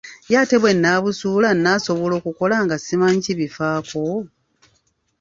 Ye ate bwe nnaabasuula, nnaasobola okukola nga simanyi kibafaako?